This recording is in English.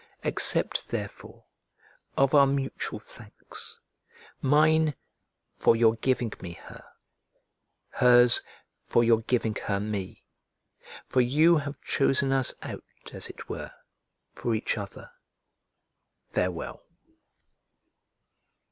Accept therefore of our mutual thanks, mine, for your giving me her, hers for your giving her me; for you have chosen us out, as it were, for each other. Farewell.